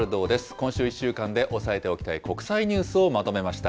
今週１週間で押さえておきたい国際ニュースをまとめました。